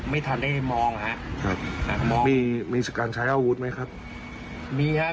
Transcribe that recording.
ไม่ทันได้มองครับมีมีการใช้อาวุธไหมครับมีครับ